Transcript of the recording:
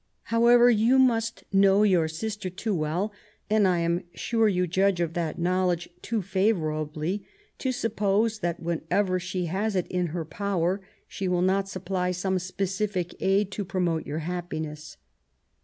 How ever, you must know your sister too well, and I am sure you judge of that knowledge too favourably, to suppose that whenever she has it in her power she will not apply some specific aid to promote your happiness.